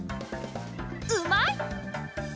うまい！